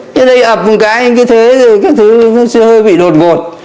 nhưng đây ập một cái cái thứ nó hơi bị đột vột